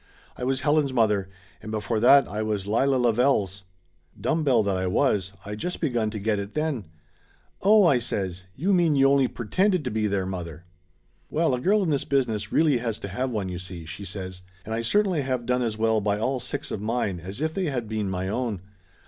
"I was Helen's mother; and before that I was Lila Lavelle's." Dumb bell that I was, I just begun to get it then. "Oh !" says I. "You mean you only pretended to be their mother?" "Well, a girl in this business really has to have one, you see," she says. "And I certainly have done as well by all six of mine as if they had been my own.